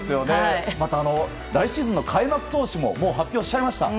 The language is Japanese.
また、来シーズンの開幕投手ももう発表しちゃいました。